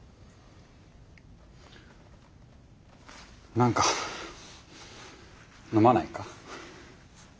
何か飲まないか？